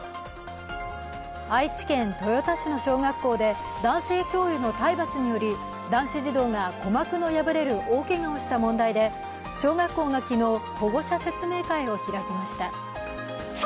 愛知県豊田市の小学校で男性教諭の体罰により男子児童が鼓膜の破れる大けがをした問題で小学校が昨日、保護者説明会を開きました。